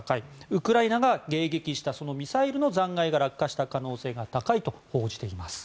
ウクライナが迎撃したミサイルの残骸が落下した可能性が高いと報じています。